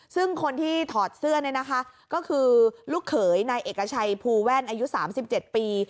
ซึ่งคนที่ถอดเสื้อนี่นะคะก็คือลูกเขยนายเอกชัยภูแว่นอายุ๓๗ปี